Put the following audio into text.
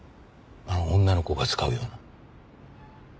あの女の子が使うような。